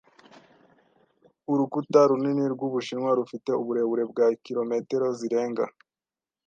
Urukuta runini rw'Ubushinwa rufite uburebure bwa kilometero zirenga .